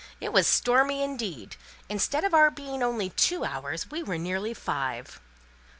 It was stormy indeed! Instead of our being only two hours, we were nearly five."